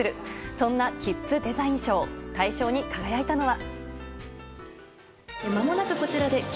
そんなキッズデザイン賞大賞に輝いたのは。